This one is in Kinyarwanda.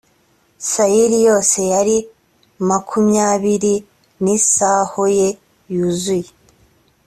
sayiri yose yari makumyabiri n isaho ye yuzuye